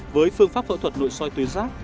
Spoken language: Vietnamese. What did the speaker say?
với phương pháp phẫu thuật nội soi tuyến giác